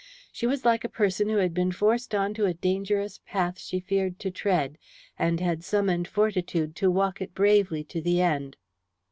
She was like a person who had been forced on to a dangerous path she feared to tread, and had summoned fortitude to walk it bravely to the end.